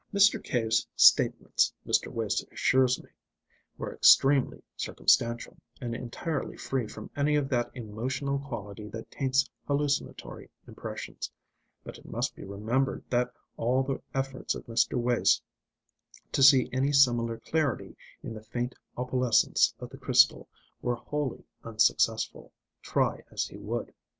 Mr. Cave's statements, Mr. Wace assures me, were extremely circumstantial, and entirely free from any of that emotional quality that taints hallucinatory impressions. But it must be remembered that all the efforts of Mr. Wace to see any similar clarity in the faint opalescence of the crystal were wholly unsuccessful, try as he would.